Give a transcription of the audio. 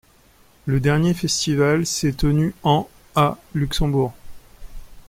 Le dernier festival s'est tenu en à Luxembourg.